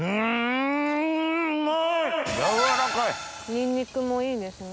ニンニクもいいですね。